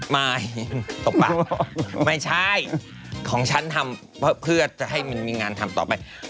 ไม่ตกป่ะไม่ใช่ของฉันทำเพื่อจะให้มันมีงานทำต่อไป